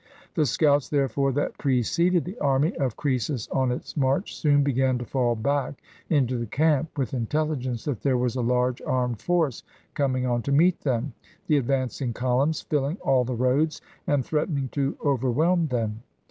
The scouts, therefore, that preceded the army of Croesus on its march, soon began to fall back into the camp, with intelligence that there was a large armed force coming on to meet them, the advancing columns filling all the roads, and threatening to overwhelm them.